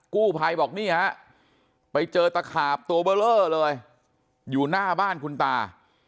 กู้ภัยบอกนี่ฮะไปเจอตะขาบตัวเบอร์เลอร์เลยอยู่หน้าบ้านคุณตา